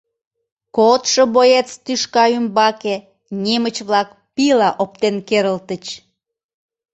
Кодшо боец тӱшка ӱмбаке немыч-влак пийла оптен керылтыч.